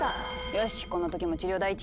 よしこんな時も治療第一。